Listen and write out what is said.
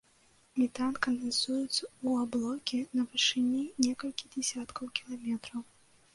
Метан кандэнсуецца ў аблокі на вышыні некалькіх дзесяткаў кіламетраў.